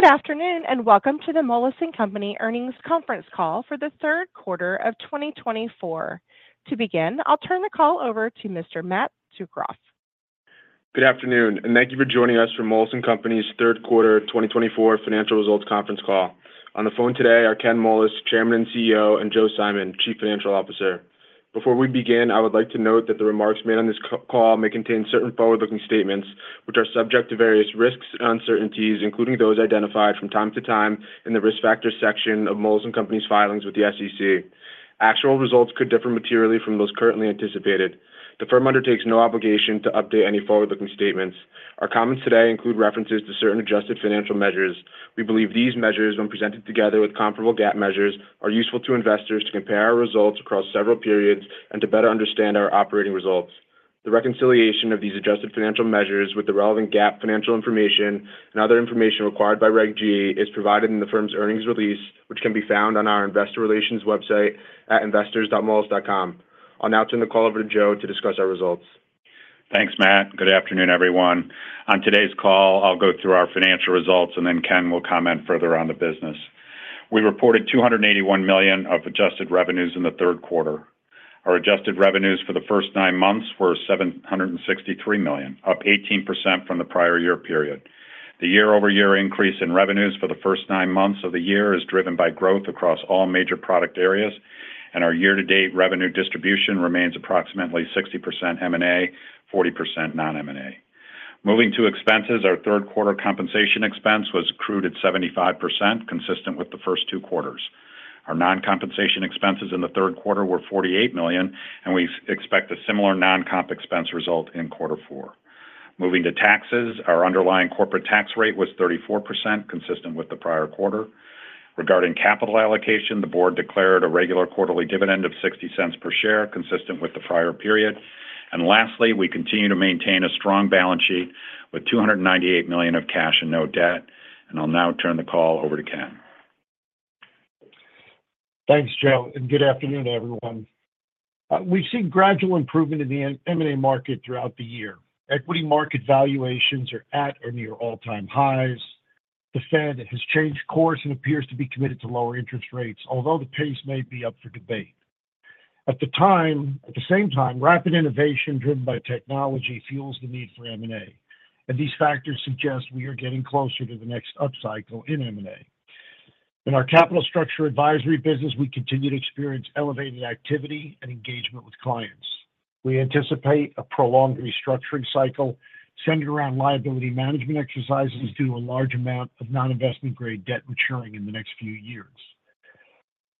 Good afternoon, and welcome to the Moelis & Company Earnings Conference Call for the Third Quarter of 2024. To begin, I'll turn the call over to Mr. Matt Tsukroff. Good afternoon, and thank you for joining us for Moelis & Company's Third Quarter 2024 financial results conference call. On the phone today are Ken Moelis, Chairman and CEO, and Joe Simon, Chief Financial Officer. Before we begin, I would like to note that the remarks made on this call may contain certain forward-looking statements, which are subject to various risks and uncertainties, including those identified from time to time in the Risk Factors section of Moelis & Company's filings with the SEC. Actual results could differ materially from those currently anticipated. The firm undertakes no obligation to update any forward-looking statements. Our comments today include references to certain adjusted financial measures. We believe these measures, when presented together with comparable GAAP measures, are useful to investors to compare our results across several periods and to better understand our operating results. The reconciliation of these adjusted financial measures with the relevant GAAP financial information and other information required by Reg G is provided in the firm's earnings release, which can be found on our investor relations website at investors.moelis.com. I'll now turn the call over to Joe to discuss our results. Thanks, Matt. Good afternoon, everyone. On today's call, I'll go through our financial results, and then Ken will comment further on the business. We reported $281 million of adjusted revenues in the third quarter. Our adjusted revenues for the first nine months were $763 million, up 18% from the prior year period. The year-over-year increase in revenues for the first nine months of the year is driven by growth across all major product areas, and our year-to-date revenue distribution remains approximately 60% M&A, 40% non-M&A. Moving to expenses, our third quarter compensation expense was accrued at 75%, consistent with the first two quarters. Our non-compensation expenses in the third quarter were $48 million, and we expect a similar non-comp expense result in quarter four. Moving to taxes, our underlying corporate tax rate was 34%, consistent with the prior quarter. Regarding capital allocation, the board declared a regular quarterly dividend of $0.60 per share, consistent with the prior period. And lastly, we continue to maintain a strong balance sheet with $298 million of cash and no debt. And I'll now turn the call over to Ken. Thanks, Joe, and good afternoon, everyone. We've seen gradual improvement in the M&A market throughout the year. Equity market valuations are at or near all-time highs. The Fed has changed course and appears to be committed to lower interest rates, although the pace may be up for debate. At the same time, rapid innovation driven by technology fuels the need for M&A, and these factors suggest we are getting closer to the next upcycle in M&A. In our capital structure advisory business, we continue to experience elevated activity and engagement with clients. We anticipate a prolonged restructuring cycle centered around liability management exercises due to a large amount of non-investment grade debt maturing in the next few years.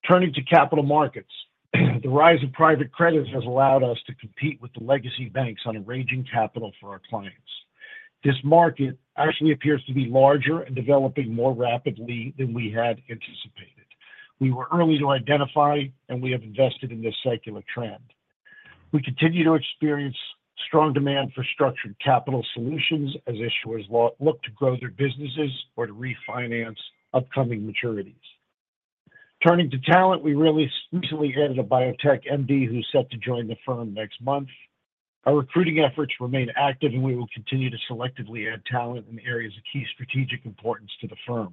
Turning to capital markets, the rise of private credit has allowed us to compete with the legacy banks on arranging capital for our clients. This market actually appears to be larger and developing more rapidly than we had anticipated. We were early to identify, and we have invested in this secular trend. We continue to experience strong demand for structured capital solutions as issuers look to grow their businesses or to refinance upcoming maturities. Turning to talent, we really recently added a biotech MD who's set to join the firm next month. Our recruiting efforts remain active, and we will continue to selectively add talent in areas of key strategic importance to the firm.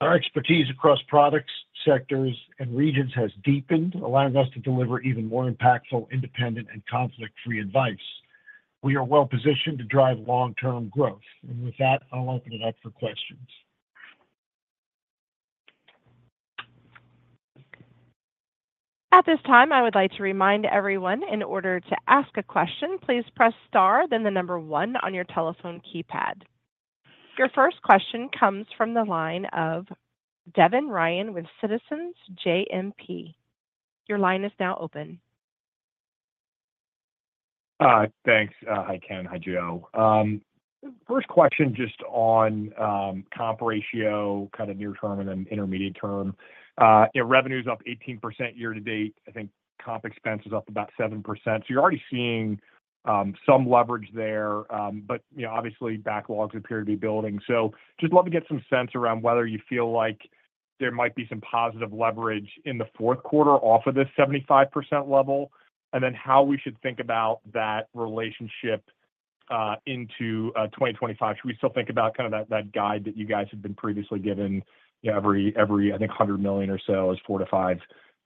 Our expertise across products, sectors, and regions has deepened, allowing us to deliver even more impactful, independent, and conflict-free advice. We are well-positioned to drive long-term growth. And with that, I'll open it up for questions. At this time, I would like to remind everyone in order to ask a question, please press star, then the number one on your telephone keypad. Your first question comes from the line of Devin Ryan with Citizens JMP. Your line is now open. Thanks. Hi, Ken. Hi, Joe. First question, just on comp ratio, kind of near term and then intermediate term. Your revenue is up 18% year to date. I think comp expense is up about 7%. So you're already seeing some leverage there, but you know, obviously, backlogs appear to be building. So just love to get some sense around whether you feel like there might be some positive leverage in the fourth quarter off of this 75% level, and then how we should think about that relationship into 2025. Should we still think about kind of that guide that you guys had been previously given? You know, every hundred million or so is four to five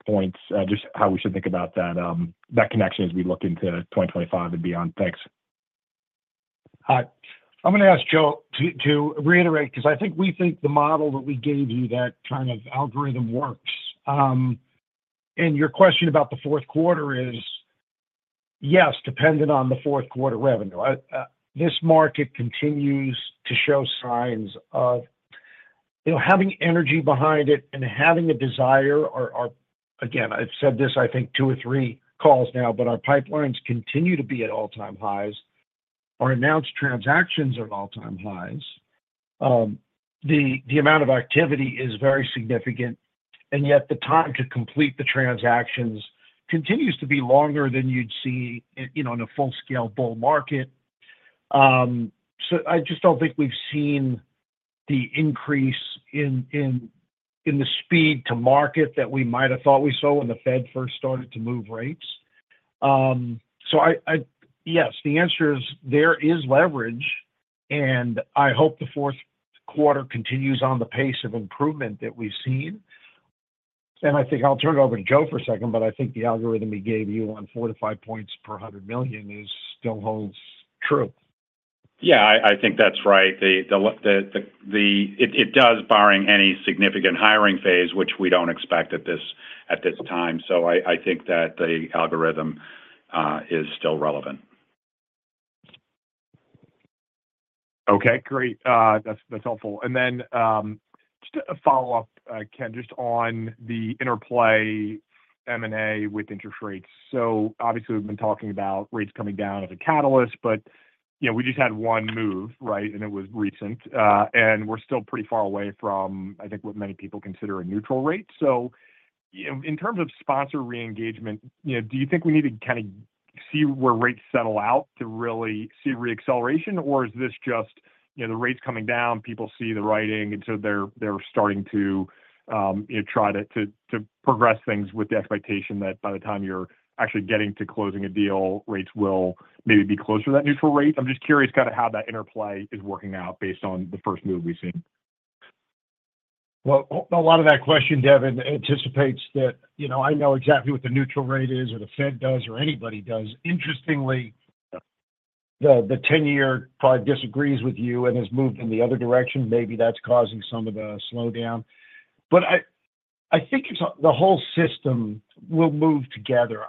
points, just how we should think about that connection as we look into 2025 and beyond. Thanks. I'm gonna ask Joe to reiterate, 'cause I think we think the model that we gave you, that kind of algorithm works, and your question about the fourth quarter is, yes, dependent on the fourth quarter revenue. This market continues to show signs of, you know, having energy behind it and having a desire. Again, I've said this, I think two or three calls now, but our pipelines continue to be at all-time highs. Our announced transactions are at all-time highs. The amount of activity is very significant, and yet the time to complete the transactions continues to be longer than you'd see, you know, in a full-scale bull market. So I just don't think we've seen the increase in the speed to market that we might have thought we saw when the Fed first started to move rates. So yes, the answer is there is leverage, and I hope the fourth quarter continues on the pace of improvement that we've seen. I think I'll turn it over to Joe for a second, but I think the algorithm he gave you on four to five points per hundred million is still holds true. Yeah, I think that's right. It does, barring any significant hiring phase, which we don't expect at this time. So I think that the algorithm is still relevant. Okay, great. That's, that's helpful, and then, just a follow-up, Ken, just on the interplay M&A with interest rates. So obviously, we've been talking about rates coming down as a catalyst, but, you know, we just had one move, right? And it was recent, and we're still pretty far away from, I think, what many people consider a neutral rate. So, in terms of sponsor reengagement, you know, do you think we need to kinda see where rates settle out to really see reacceleration? Or is this just, you know, the rates coming down, people see the writing, and so they're starting to, you know, try to progress things with the expectation that by the time you're actually getting to closing a deal, rates will maybe be closer to that neutral rate? I'm just curious kinda how that interplay is working out based on the first move we've seen. A lot of that question, Devin, anticipates that, you know, I know exactly what the neutral rate is or the Fed does or anybody does. Interestingly, the ten-year probably disagrees with you and has moved in the other direction. Maybe that's causing some of the slowdown. But I think it's the whole system will move together.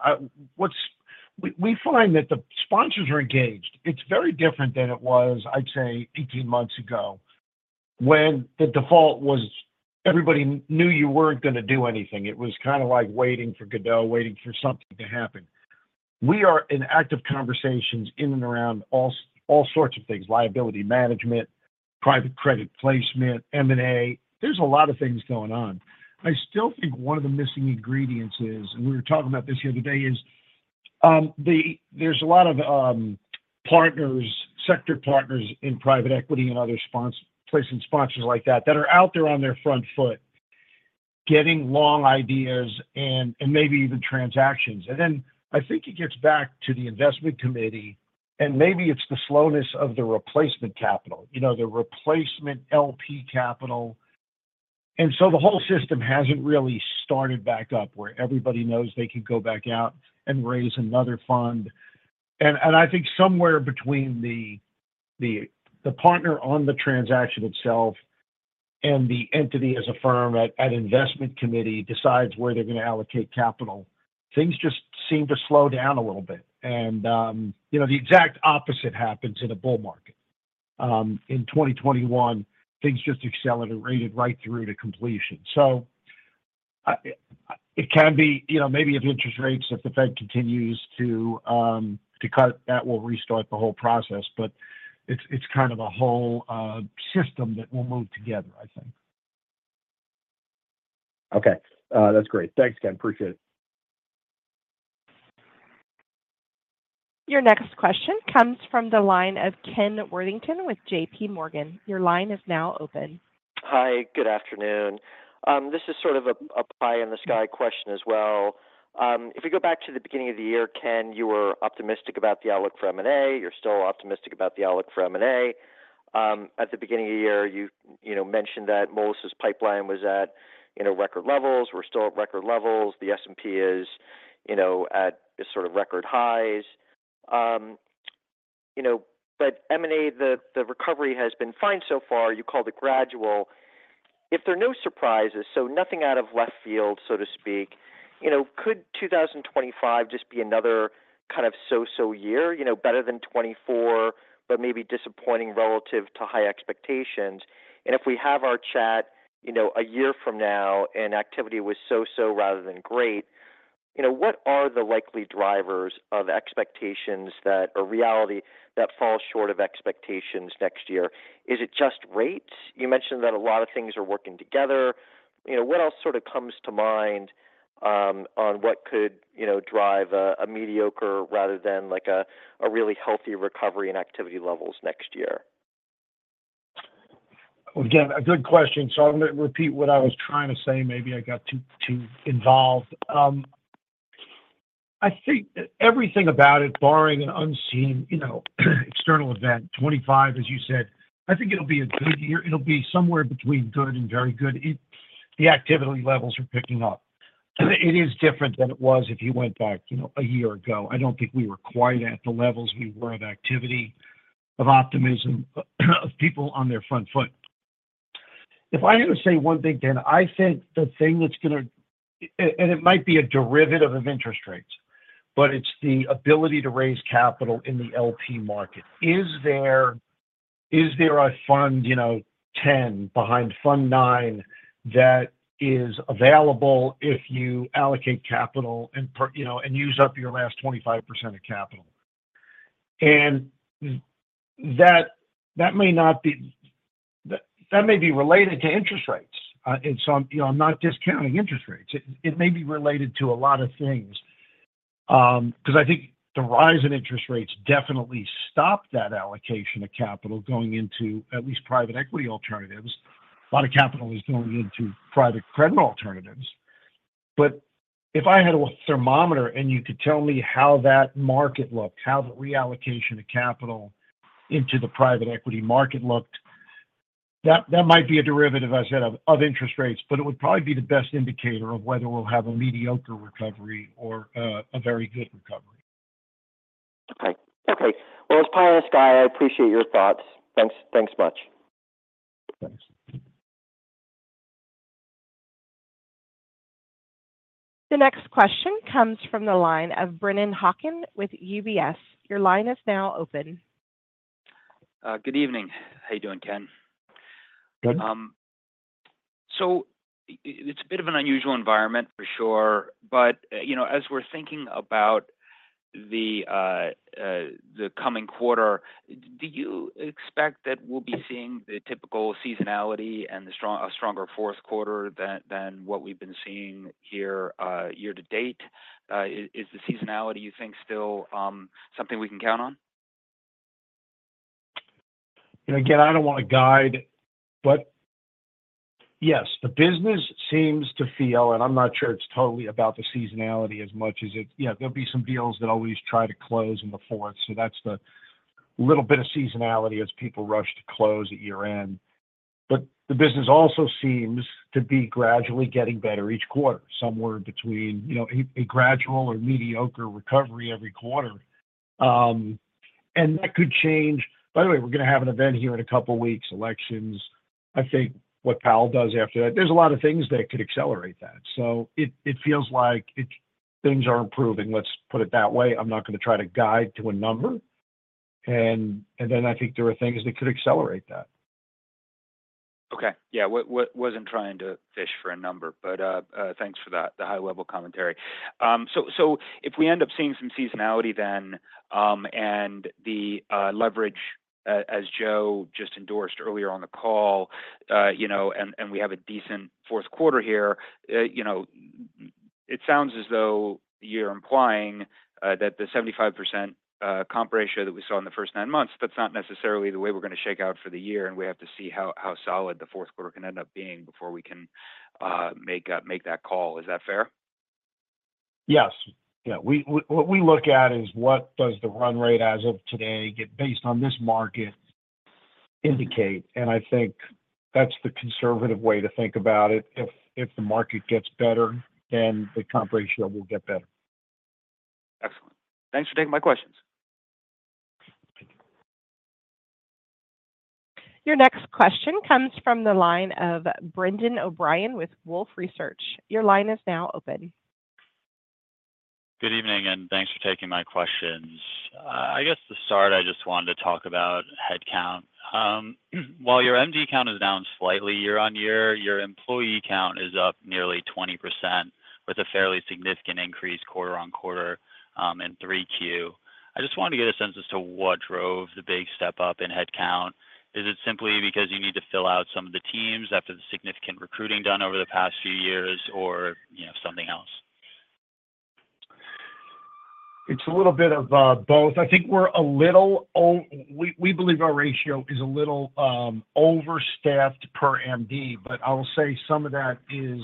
We find that the sponsors are engaged. It's very different than it was, I'd say, eighteen months ago, when the default was everybody knew you weren't gonna do anything. It was kinda like waiting for Godot, waiting for something to happen. We are in active conversations in and around all sorts of things: liability management, private credit placement, M&A. There's a lot of things going on. I still think one of the missing ingredients is, and we were talking about this the other day, there's a lot of partners, sector partners in private equity and other sponsors placing sponsors like that, that are out there on their front foot, getting long ideas and maybe even transactions. Then I think it gets back to the investment committee, and maybe it's the slowness of the replacement capital, you know, the replacement LP capital. So the whole system hasn't really started back up, where everybody knows they can go back out and raise another fund. I think somewhere between the partner on the transaction itself and the entity as a firm at investment committee decides where they're gonna allocate capital, things just seem to slow down a little bit. And, you know, the exact opposite happens in a bull market. In 2021, things just accelerated right through to completion. So, it can be, you know, maybe if interest rates, if the Fed continues to cut, that will restart the whole process, but it's kind of a whole system that will move together, I think. Okay. That's great. Thanks, Ken. Appreciate it. Your next question comes from the line of Ken Worthington with J.P. Morgan. Your line is now open. Hi, good afternoon. This is sort of a pie-in-the-sky question as well. If you go back to the beginning of the year, Ken, you were optimistic about the outlook for M&A. You're still optimistic about the outlook for M&A. At the beginning of the year, you know, mentioned that Moelis' pipeline was at, you know, record levels. We're still at record levels. The S&P is, you know, at sort of record highs. But M&A, the recovery has been fine so far. You called it gradual. If there are no surprises, so nothing out of left field, so to speak, you know, could 2025 just be another kind of so-so year? You know, better than 2024, but maybe disappointing relative to high expectations. And if we have our chat, you know, a year from now and activity was so-so rather than great, you know, what are the likely drivers of expectations that... a reality that falls short of expectations next year? Is it just rates? You mentioned that a lot of things are working together. You know, what else sort of comes to mind, on what could, you know, drive a mediocre rather than, like, a really healthy recovery and activity levels next year? Again, a good question. So I'm gonna repeat what I was trying to say. Maybe I got too, too involved. I think everything about it, barring an unseen, you know, external event, twenty-five, as you said, I think it'll be a good year. It'll be somewhere between good and very good. It, the activity levels are picking up. It is different than it was if you went back, you know, a year ago. I don't think we were quite at the levels we were of activity, of optimism, of people on their front foot. If I had to say one big thing, I think the thing that's gonna... and it might be a derivative of interest rates, but it's the ability to raise capital in the LP market. Is there, is there a fund, you know, 10 behind fund nine that is available if you allocate capital and, you know, and use up your last 25% of capital? That may not be. That may be related to interest rates, and so, you know, I'm not discounting interest rates. It may be related to a lot of things. 'Cause I think the rise in interest rates definitely stopped that allocation of capital going into at least private equity alternatives. A lot of capital is going into private credit alternatives. But if I had a thermometer, and you could tell me how that market looked, how the reallocation of capital into the private equity market looked, that might be a derivative I said of interest rates, but it would probably be the best indicator of whether we'll have a mediocre recovery or a very good recovery. Okay. Okay. Well, it's pie in the sky. I appreciate your thoughts. Thanks. Thanks much. Thanks. The next question comes from the line of Brennan Hawken with UBS. Your line is now open. Good evening. How you doing, Ken? Good. So it's a bit of an unusual environment, for sure, but, you know, as we're thinking about the coming quarter, do you expect that we'll be seeing the typical seasonality and a stronger fourth quarter than what we've been seeing here year to date? Is the seasonality, you think, still something we can count on? You know, again, I don't want to guide, but yes, the business seems to feel, and I'm not sure it's totally about the seasonality as much as it. Yeah, there'll be some deals that always try to close in the fourth, so that's the little bit of seasonality as people rush to close at year-end. But the business also seems to be gradually getting better each quarter, somewhere between, you know, a gradual or mediocre recovery every quarter. And that could change. By the way, we're gonna have an event here in a couple of weeks, elections. I think what Powell does after that, there's a lot of things that could accelerate that. So it feels like things are improving, let's put it that way. I'm not gonna try to guide to a number. And then I think there are things that could accelerate that. Okay. Yeah, wasn't trying to fish for a number, but thanks for that, the high-level commentary. So if we end up seeing some seasonality then, and the leverage, as Joe just endorsed earlier on the call, you know, and we have a decent fourth quarter here, you know, it sounds as though you're implying that the 75% comp ratio that we saw in the first nine months, that's not necessarily the way we're gonna shake out for the year, and we have to see how solid the fourth quarter can end up being before we can make that call. Is that fair? Yes. Yeah, we, what we look at is what does the run rate as of today get based on this market indicate? And I think that's the conservative way to think about it. If the market gets better, then the comp ratio will get better. Excellent. Thanks for taking my questions. Thank you. Your next question comes from the line of Brendan O'Brien with Wolfe Research. Your line is now open. Good evening, and thanks for taking my questions. I guess to start, I just wanted to talk about headcount. While your MD count is down slightly year on year, your employee count is up nearly 20%, with a fairly significant increase quarter on quarter, in 3Q. I just wanted to get a sense as to what drove the big step up in headcount. Is it simply because you need to fill out some of the teams after the significant recruiting done over the past few years, or, you know, something else? It's a little bit of both. I think we're a little overstaffed per MD. We believe our ratio is a little overstaffed per MD, but I will say some of that is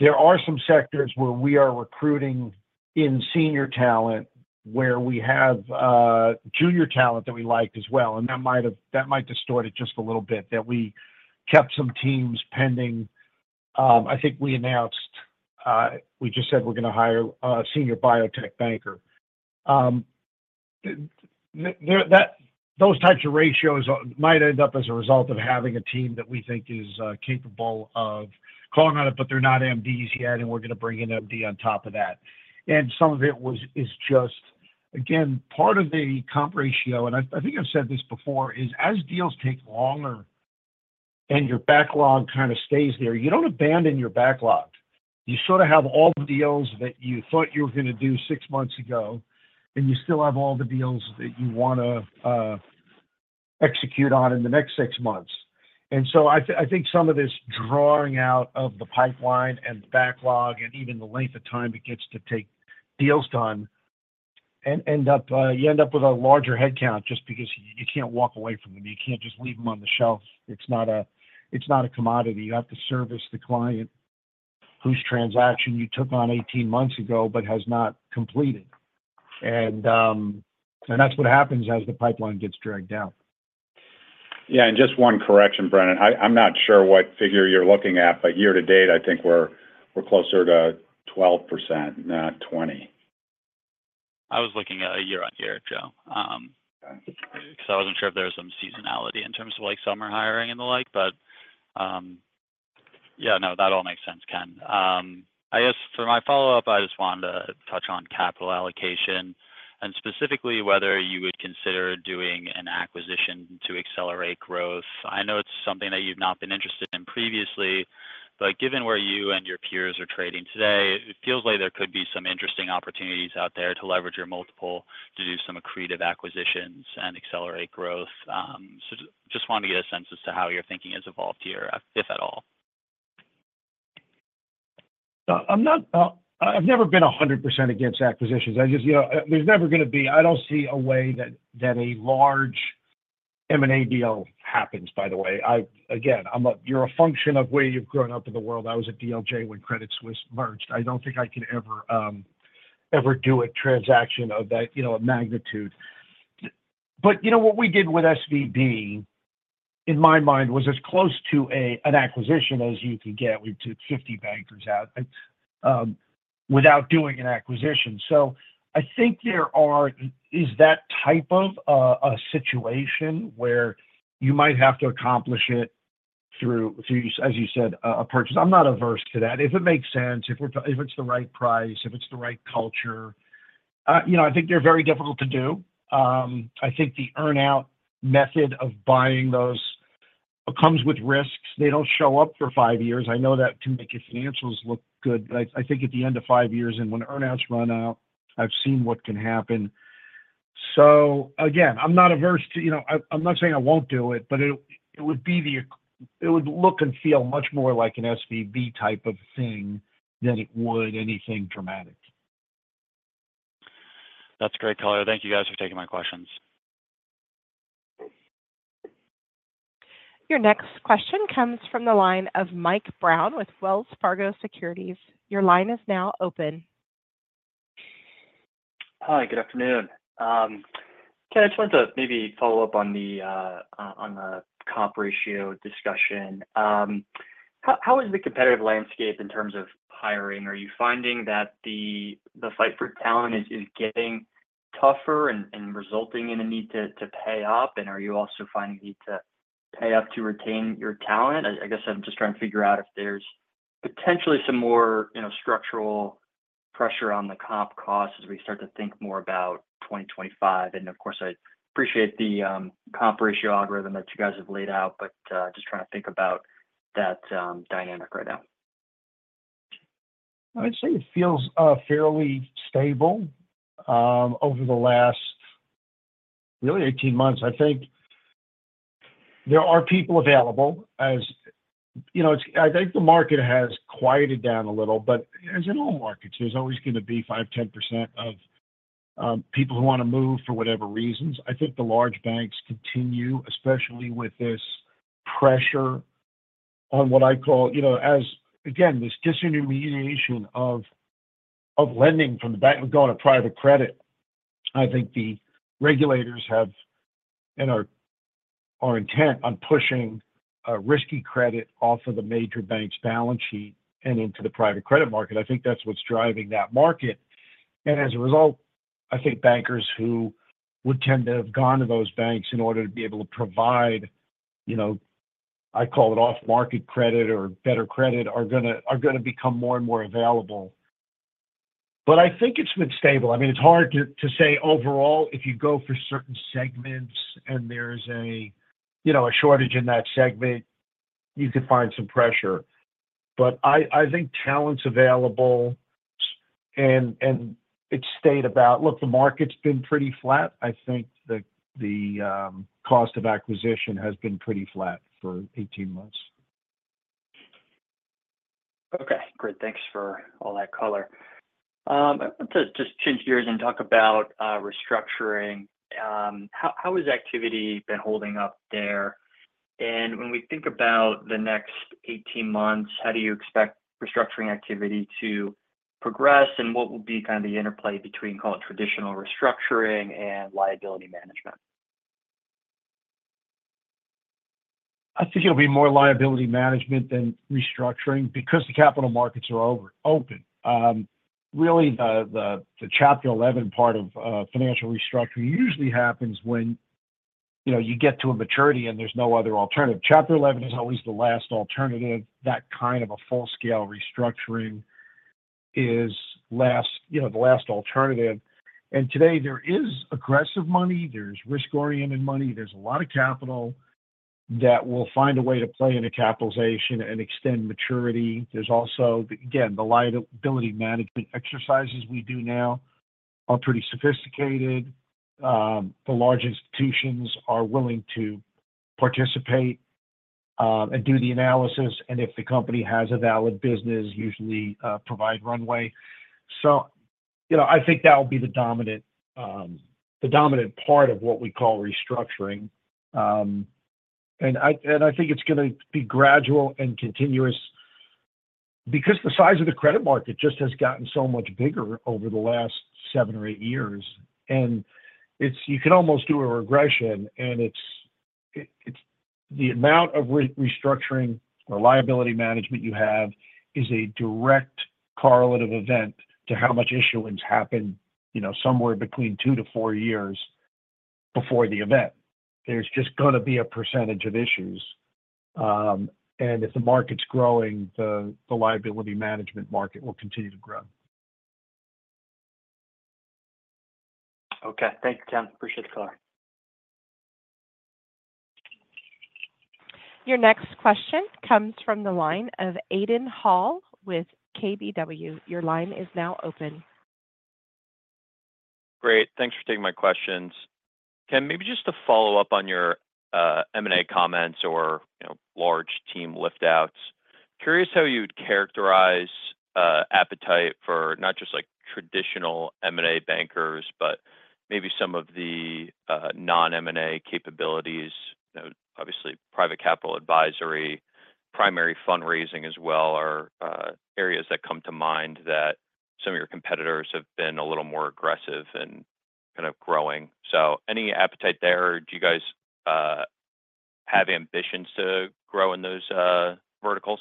there are some sectors where we are recruiting in senior talent, where we have junior talent that we like as well, and that might distort it just a little bit, that we kept some teams pending. I think we announced we just said we're gonna hire a senior biotech banker. There, those types of ratios might end up as a result of having a team that we think is capable of calling on it, but they're not MDs yet, and we're gonna bring in an MD on top of that. And some of it is just, again, part of the comp ratio, and I think I've said this before, is as deals take longer and your backlog kinda stays there, you don't abandon your backlog. You sorta have all the deals that you thought you were gonna do six months ago, and you still have all the deals that you wanna execute on in the next six months. And so I think some of this drawing out of the pipeline and the backlog and even the length of time it gets to take deals done end up you end up with a larger headcount just because you can't walk away from them. You can't just leave them on the shelf. It's not a commodity. You have to service the client whose transaction you took on eighteen months ago but has not completed. And that's what happens as the pipeline gets dragged out. Yeah, and just one correction, Brennan. I'm not sure what figure you're looking at, but year to date, I think we're closer to 12%, not 20%. I was looking at year on year, Joe. Okay. 'Cause I wasn't sure if there was some seasonality in terms of, like, summer hiring and the like, but, yeah, no, that all makes sense, Ken. I guess for my follow-up, I just wanted to touch on capital allocation, and specifically, whether you would consider doing an acquisition to accelerate growth. I know it's something that you've not been interested in previously, but given where you and your peers are trading today, it feels like there could be some interesting opportunities out there to leverage your multiple, to do some accretive acquisitions and accelerate growth. So just wanted to get a sense as to how your thinking has evolved here, if at all. ... I'm not, I've never been 100% against acquisitions. I just, you know, there's never gonna be- I don't see a way that a large M&A deal happens, by the way. Again, I'm a function of where you've grown up in the world. I was at DLJ when Credit Suisse merged. I don't think I could ever do a transaction of that, you know, magnitude. But, you know, what we did with SVB, in my mind, was as close to an acquisition as you could get. We took 50 bankers out without doing an acquisition. So I think there is that type of a situation where you might have to accomplish it through, as you said, a purchase. I'm not averse to that. If it makes sense, if we're, if it's the right price, if it's the right culture. You know, I think they're very difficult to do. I think the earn-out method of buying those comes with risks. They don't show up for five years. I know that can make your financials look good, but I think at the end of five years and when earn-outs run out, I've seen what can happen. So again, I'm not averse to. You know, I'm not saying I won't do it, but it would look and feel much more like an SVB type of thing than it would anything dramatic. That's great color. Thank you, guys, for taking my questions. Your next question comes from the line of Mike Brown with Wells Fargo Securities. Your line is now open. Hi, good afternoon. Ken, I just wanted to maybe follow up on the, on the comp ratio discussion. How is the competitive landscape in terms of hiring? Are you finding that the fight for talent is getting tougher and resulting in a need to pay up? And are you also finding a need to pay up to retain your talent? I guess I'm just trying to figure out if there's potentially some more, you know, structural pressure on the comp costs as we start to think more about 2025. And of course, I appreciate the comp ratio algorithm that you guys have laid out, but just trying to think about that dynamic right now. I'd say it feels fairly stable. Over the last really eighteen months, I think there are people available. You know, I think the market has quieted down a little, but as in all markets, there's always gonna be 5-10% of people who wanna move for whatever reasons. I think the large banks continue, especially with this pressure on what I call, you know, as, again, this disintermediation of lending from the bank and going to private credit. I think the regulators have and are intent on pushing a risky credit off of the major bank's balance sheet and into the private credit market. I think that's what's driving that market. And as a result, I think bankers who would tend to have gone to those banks in order to be able to provide, you know, I call it off-market credit or better credit, are gonna become more and more available. But I think it's been stable. I mean, it's hard to say overall, if you go for certain segments and there's a, you know, a shortage in that segment, you could find some pressure. But I think talent's available, and it's stayed about. Look, the market's been pretty flat. I think the cost of acquisition has been pretty flat for eighteen months. Okay, great. Thanks for all that color. Let's just change gears and talk about restructuring. How has activity been holding up there? And when we think about the next eighteen months, how do you expect restructuring activity to progress? And what will be kind of the interplay between, call it, traditional restructuring and liability management? I think it'll be more liability management than restructuring because the capital markets are overly open. Really, the Chapter 11 part of financial restructuring usually happens when, you know, you get to a maturity and there's no other alternative. Chapter 11 is always the last alternative. That kind of a full-scale restructuring is last, you know, the last alternative, and today there is aggressive money, there's risk-oriented money, there's a lot of capital that will find a way to play in a capitalization and extend maturity. There's also, again, the liability management exercises we do now are pretty sophisticated. The large institutions are willing to participate, and do the analysis, and if the company has a valid business, usually provide runway. So, you know, I think that will be the dominant, the dominant part of what we call restructuring. And I think it's gonna be gradual and continuous because the size of the credit market just has gotten so much bigger over the last seven or eight years. And it's you can almost do a regression, and it's the amount of restructuring or liability management you have is a direct correlative event to how much issuance happened, you know, somewhere between two to four years before the event. There's just gonna be a percentage of issues, and if the market's growing, the liability management market will continue to grow. Okay. Thank you, Ken. Appreciate the call. Your next question comes from the line of Aidan Hall with KBW. Your line is now open.... Great. Thanks for taking my questions. Ken, maybe just to follow up on your M&A comments or, you know, large team lift outs. Curious how you would characterize appetite for not just, like, traditional M&A bankers, but maybe some of the non-M&A capabilities? You know, obviously, private capital advisory, primary fundraising as well, are areas that come to mind that some of your competitors have been a little more aggressive in kind of growing. So any appetite there, or do you guys have ambitions to grow in those verticals?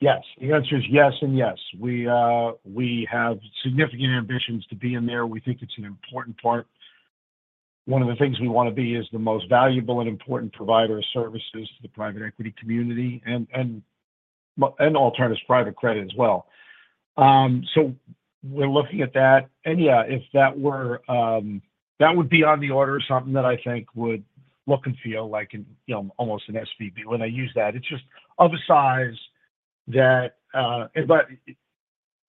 Yes. The answer is yes, and yes. We have significant ambitions to be in there. We think it's an important part. One of the things we want to be is the most valuable and important provider of services to the private equity community and, well, and alternative private credit as well. So we're looking at that, and, yeah, if that were, that would be on the order of something that I think would look and feel like an, you know, almost an SVB. When I use that, it's just of a size that, but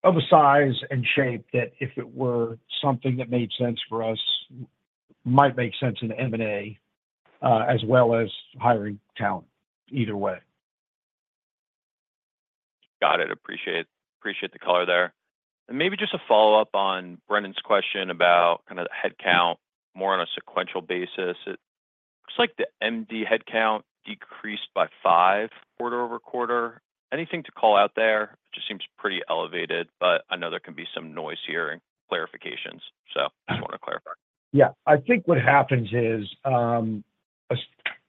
of a size and shape that if it were something that made sense for us, might make sense in M&A, as well as hiring talent, either way. Got it. Appreciate, appreciate the color there. And maybe just a follow-up on Brennan's question about kind of the headcount more on a sequential basis. It looks like the MD headcount decreased by five quarter over quarter. Anything to call out there? It just seems pretty elevated, but I know there can be some noise here and clarifications. So I just want to clarify. Yeah. I think what happens is, as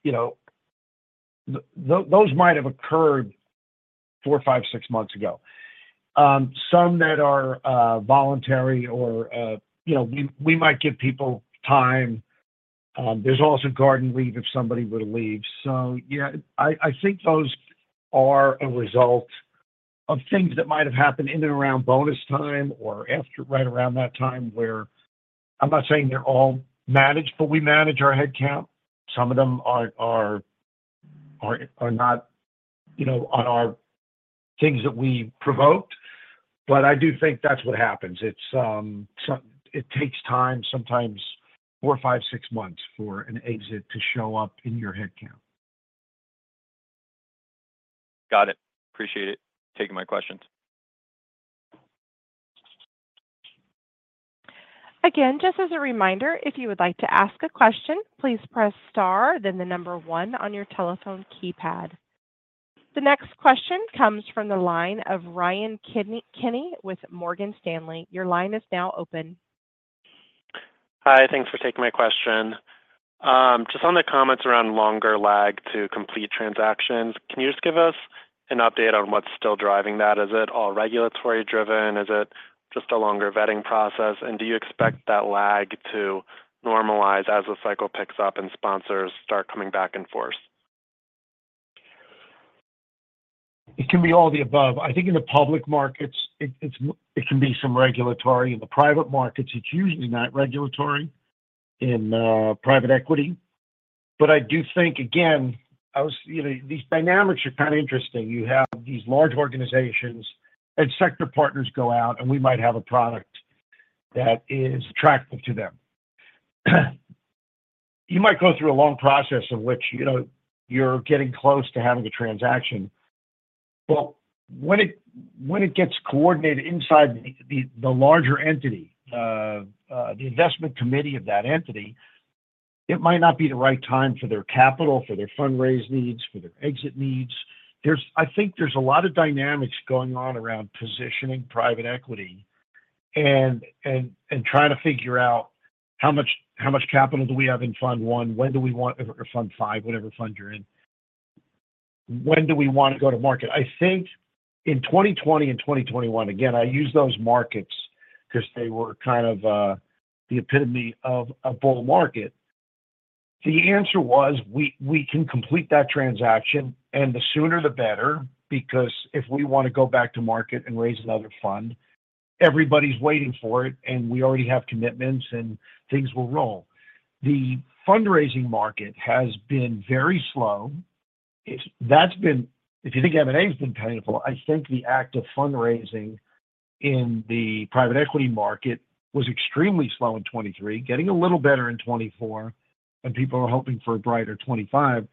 you know, those might have occurred four, five, six months ago. Some that are voluntary or, you know, we might give people time. There's also garden leave if somebody were to leave. So yeah, I think those are a result of things that might have happened in and around bonus time or after, right around that time, where I'm not saying they're all managed, but we manage our headcount. Some of them are not, you know, on our things that we provoked, but I do think that's what happens. It takes time, sometimes four, five, six months for an exit to show up in your headcount. Got it. Appreciate it. Thank you for taking my questions. Again, just as a reminder, if you would like to ask a question, please press star then the number one on your telephone keypad. The next question comes from the line of Ryan Kenny with Morgan Stanley. Your line is now open. Hi, thanks for taking my question. Just on the comments around longer lag to complete transactions, can you just give us an update on what's still driving that? Is it all regulatory-driven? Is it just a longer vetting process? And do you expect that lag to normalize as the cycle picks up and sponsors start coming back and forth? It can be all the above. I think in the public markets, it can be some regulatory. In the private markets, it's usually not regulatory in private equity. But I do think, again, you know, these dynamics are kind of interesting. You have these large organizations and sector partners go out, and we might have a product that is attractive to them. You might go through a long process in which, you know, you're getting close to having a transaction. Well, when it gets coordinated inside the larger entity, the investment committee of that entity, it might not be the right time for their capital, for their fundraise needs, for their exit needs. There's. I think there's a lot of dynamics going on around positioning private equity and trying to figure out how much capital do we have in fund one? When do we want or fund five, whatever fund you're in. When do we want to go to market? I think in 2020 and 2021, again, I use those markets because they were kind of the epitome of a bull market. The answer was, we can complete that transaction, and the sooner the better, because if we want to go back to market and raise another fund, everybody's waiting for it, and we already have commitments, and things will roll. The fundraising market has been very slow. It's. That's been... If you think M&A has been painful, I think the act of fundraising in the private equity market was extremely slow in 2023, getting a little better in 2024, and people are hoping for a brighter 2025.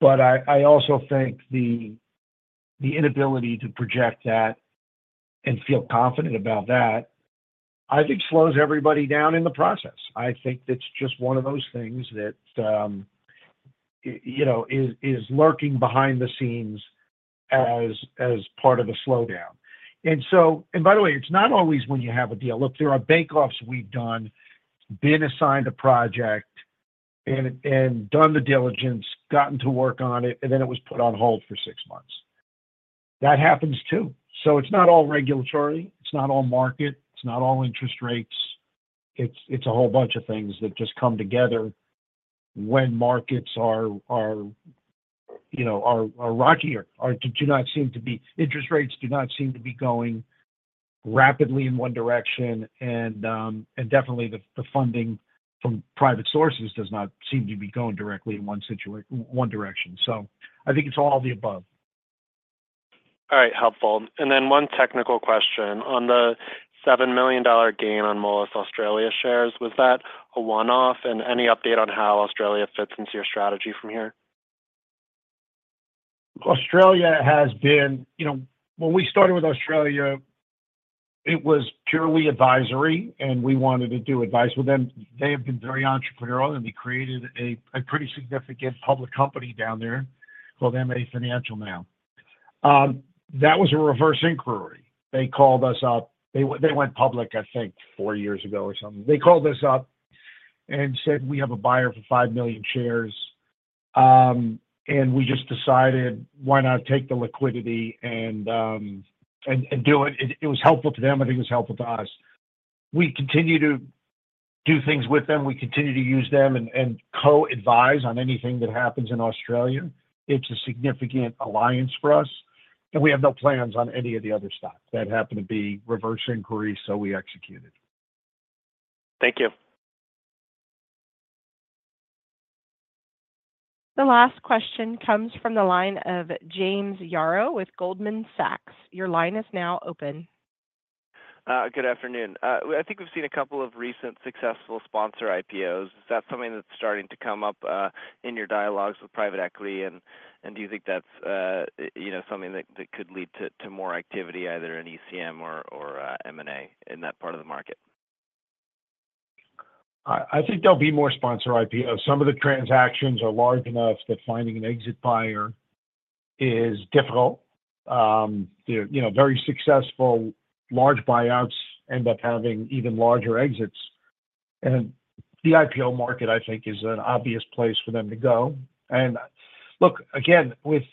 But I also think the inability to project that and feel confident about that slows everybody down in the process. I think it's just one of those things that you know is lurking behind the scenes as part of the slowdown. And so, and by the way, it's not always when you have a deal. Look, there are bake-offs we've done, been assigned a project and done the diligence, gotten to work on it, and then it was put on hold for six months. That happens too. So it's not all regulatory, it's not all market, it's not all interest rates. It's a whole bunch of things that just come together when markets are, you know, rockier or do not seem to be. Interest rates do not seem to be going rapidly in one direction, and definitely the funding from private sources does not seem to be going directly in one direction. So I think it's all of the above.... All right, helpful. And then one technical question. On the $7 million gain on Moelis Australia shares, was that a one-off? And any update on how Australia fits into your strategy from here? Australia has been. You know, when we started with Australia, it was purely advisory, and we wanted to do advice with them. They have been very entrepreneurial, and they created a pretty significant public company down there called MA Financial now. That was a reverse inquiry. They called us up. They went public, I think, four years ago or something. They called us up and said, "We have a buyer for five million shares," and we just decided, why not take the liquidity and do it? It was helpful to them, and I think it was helpful to us. We continue to do things with them. We continue to use them and co-advise on anything that happens in Australia. It's a significant alliance for us, and we have no plans on any of the other stocks. That happened to be reverse inquiry, so we executed. Thank you. The last question comes from the line of James Yaro with Goldman Sachs. Your line is now open. Good afternoon. I think we've seen a couple of recent successful sponsor IPOs. Is that something that's starting to come up in your dialogues with private equity? And do you think that's, you know, something that could lead to more activity, either in ECM or M&A in that part of the market? I think there'll be more sponsor IPOs. Some of the transactions are large enough that finding an exit buyer is difficult. They're, you know, very successful. Large buyouts end up having even larger exits. The IPO market, I think, is an obvious place for them to go. Look, again, with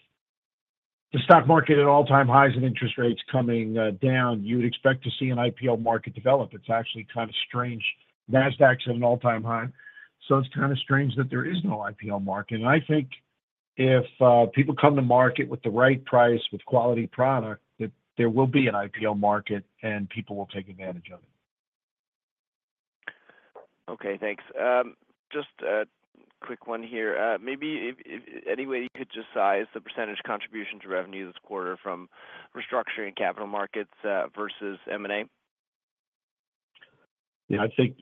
the stock market at all-time highs and interest rates coming down, you'd expect to see an IPO market develop. It's actually kind of strange. Nasdaq's at an all-time high, so it's kind of strange that there is no IPO market. I think if people come to market with the right price, with quality product, that there will be an IPO market, and people will take advantage of it. Okay, thanks. Just a quick one here. Maybe if any way you could just size the percentage contribution to revenue this quarter from restructuring capital markets versus M&A? Yeah, I think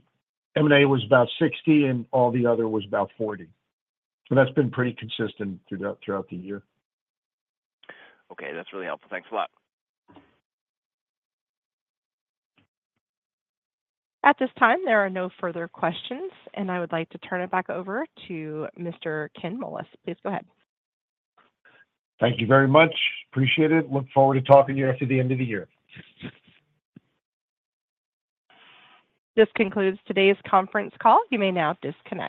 M&A was about sixty, and all the other was about 40. So that's been pretty consistent throughout the year. Okay, that's really helpful. Thanks a lot. At this time, there are no further questions, and I would like to turn it back over to Mr. Ken Moelis. Please go ahead. Thank you very much. Appreciate it. Look forward to talking to you after the end of the year. This concludes today's conference call. You may now disconnect.